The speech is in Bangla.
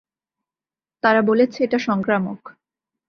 তারা বলেছে এটা সংক্রামক।